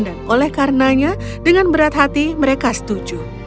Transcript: dan oleh karenanya dengan berat hati mereka setuju